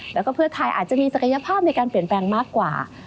แล้วก็เพื่อไทยอาจจะมีศักยภาพในการเปลี่ยนแปลงมากกว่า